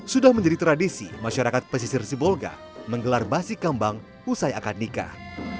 sudah menjadi tradisi masyarakat pesisir sibolga menggelar basi kambang usai akad nikah